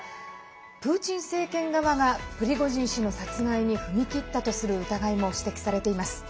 プーチン政権側がプリゴジン氏の殺害に踏み切ったとする疑いも指摘されています。